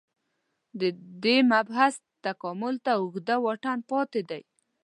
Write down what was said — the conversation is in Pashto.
دې مبحث تکامل ته اوږد واټن پاتې دی